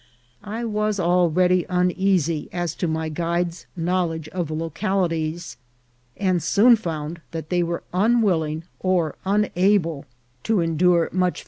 I was already uneasy as to my guides' knowledge of localities, and soon found that they were unwilling or unable to endure much fa VOL.